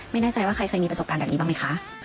ไม่แน่ใจว่าใครเคยมีประสบการณ์แบบนี้บ้างไหมคะ